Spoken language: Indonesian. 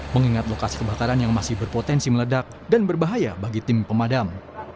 mengingat lokasi kebakaran yang masih berpotensi meledak dan berbahaya bagi tim pemadam